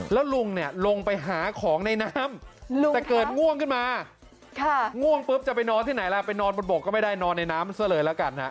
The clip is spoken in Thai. แล้วลุงเนี่ยลงไปหาของในน้ำแต่เกิดง่วงขึ้นมาง่วงปุ๊บจะไปนอนที่ไหนล่ะไปนอนบนบกก็ไม่ได้นอนในน้ำซะเลยละกันฮะ